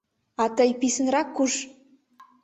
— А тый писынрак куш!